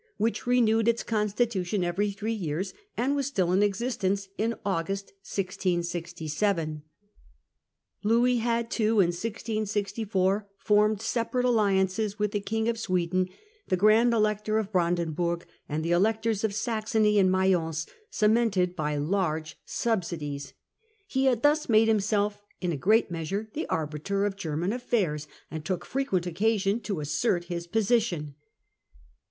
76), which renewed its constitution every three years, and was still in existence in August 1667. Louis had too in 1664 formed separate alliances with the King of Sweden, the Grand Elector of Brandenburg, ajid the 142 Invasion of Spanish Low Countries. 1667. Electors of Saxony, and Mayence, cemented by large subsidies. He had thus made himself in a great measure the arbiter of German affairs, and took frequent occasion to assert his position.